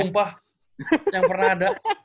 sumpah yang pernah ada